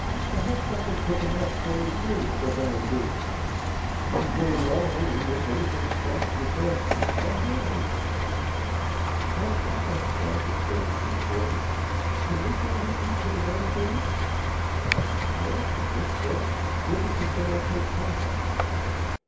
Perhaps I can pick 'em out for you, too, at the vandoo. You can go along, and if anything strikes your fancy I'll bid on it." "O papa," cried the children, in chorus, "can we go with you to the vandoo?" "Yes, I think so. When does the sale take place?"